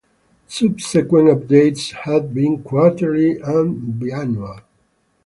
Subsequent updates have been quarterly and biannual.